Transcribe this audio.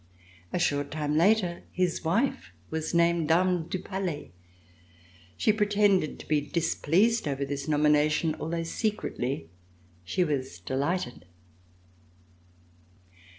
A short time later, his wife was named Dame du Palais. She pretended to be displeased over this nomination, although secretly she was delighted.